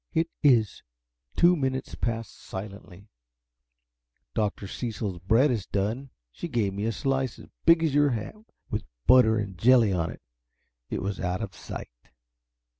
"It is." Two minutes passed silently. "Dr. Cecil's bread is done she gave me a slice as big as your hat, with butter and jelly on it. It was out of sight."